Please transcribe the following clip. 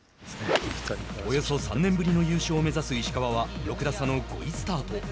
およそ３年ぶりの優勝を目指す石川は６打差の５位スタート。